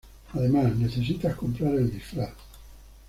Además necesitas comprar el disfraz.